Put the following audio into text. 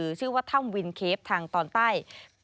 ชื่อว่าถ้ำวินเคฟทางตอนใต้